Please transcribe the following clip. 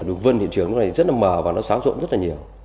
được vân hiện trường lúc này rất là mờ và nó xáo rộn rất là nhiều